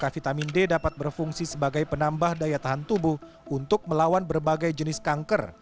vitamin d dapat berfungsi sebagai penambah daya tahan tubuh untuk melawan berbagai jenis kanker